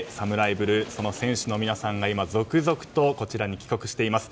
ブルーの選手の皆さんが今、続々とこちらに帰国しています。